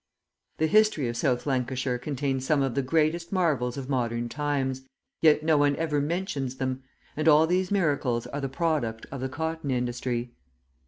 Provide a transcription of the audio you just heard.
The history of South Lancashire contains some of the greatest marvels of modern times, yet no one ever mentions them, and all these miracles are the product of the cotton industry.